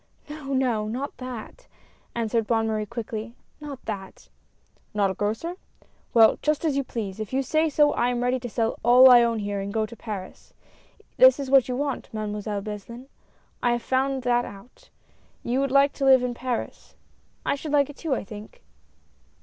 "No, no, not that!" answered Bonne Maide quickly, " not that !" "Not a grocer? Well, just as you please. If you say so, I am ready to sell all I own here and go to Paris. That is what you want. Mademoiselle Beslin, I have found that out — you would like to live in Paris — and I should like it too, I think."